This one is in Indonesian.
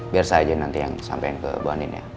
biar saya aja nanti yang sampein ke bu andin ya